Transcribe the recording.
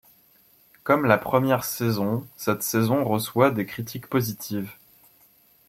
Comme la première saison, cette saison reçoit des critiques positives.